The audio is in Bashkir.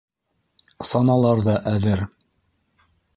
Саналар ҙа әҙер.